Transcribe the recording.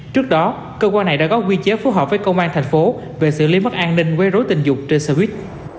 trước đó cơ quan này đã góp nguyên chế phù hợp với công an thành phố về xử lý mất an ninh quê rối tình dục trên xe bus